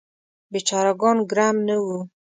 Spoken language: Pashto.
بیچاره ګان ګرم نه وو.